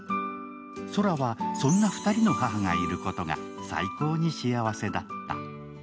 宙は、そんな２人の母がいることがさいこーにしあわせだった。